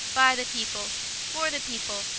. .by the people. . .for the people. .